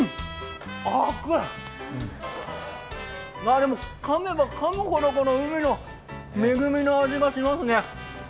でも、かめばかむほど海の恵みの味がしますね。